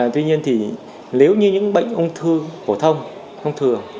tuy nhiên thì nếu như những bệnh ung thư phổ thông ung thừa